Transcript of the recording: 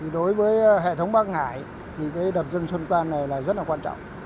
đối với hệ thống bắc ngãi thì đập dân xuân quan này rất là quan trọng